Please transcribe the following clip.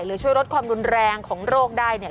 ช่วยลดความรุนแรงของโรคได้เนี่ย